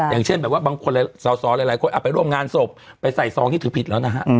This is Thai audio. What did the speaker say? อย่างเช่นแบบว่าบางคนสาวหลายคนไปร่วมงานศพไปใส่ซองนี่ถือผิดแล้วนะฮะ